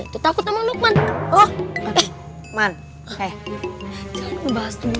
siapa yang pindahin kursi